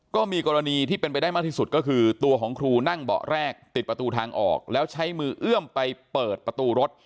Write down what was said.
ก็มีกรณีที่เป็นไปได้มากที่สุดก็คือตัวของครูนั่งเบาะแรกติดประตูทางออกแล้วใช้มือเอื้อมไปเปิดประตูรถ